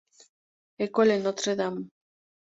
École Notre Dame.